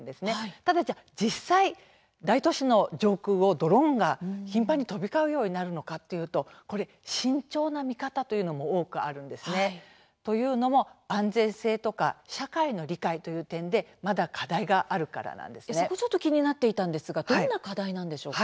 ただ、実際、大都市の上空をドローンが頻繁に飛び交うようになるのかというと慎重な見方というのも多くあるんですね。というのも安全性とか社会の理解という点でそこ、ちょっと気になっていたんですがどんな課題なんでしょうか。